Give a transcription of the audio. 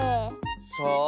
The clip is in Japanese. さあ。